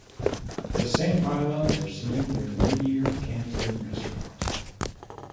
The same pylons are seen near the Meteor Canteen restaurant.